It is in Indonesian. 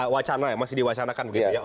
wacana ya masih diwacanakan begitu ya